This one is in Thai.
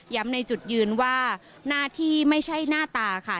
ในจุดยืนว่าหน้าที่ไม่ใช่หน้าตาค่ะ